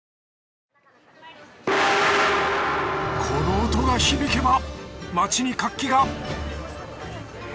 この音が響けば街に活気が。